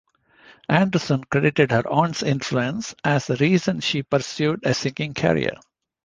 Anderson credited her aunt's influence as the reason she pursued a singing career.